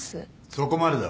そこまでだ。